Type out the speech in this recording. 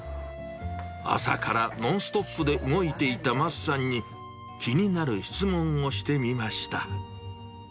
朝からノンストップで動いていたマスさんに、気になる質問をしてみました。